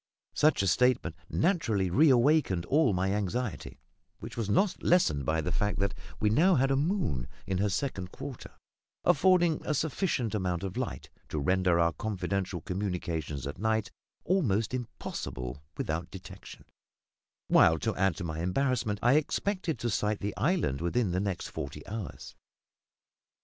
Such a statement naturally reawakened all my anxiety; which was not lessened by the fact that we now had a moon, in her second quarter, affording a sufficient amount of light to render our confidential communications at night almost impossible without detection; while, to add to my embarrassment, I expected to sight the island within the next forty hours.